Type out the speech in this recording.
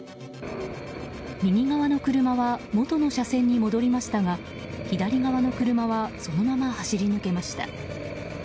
右側の車は元の車線に戻りましたが左側の車はそのまま走り抜けました。